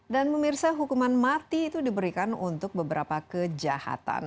dan pemirsa hukuman mati itu diberikan untuk beberapa kejahatan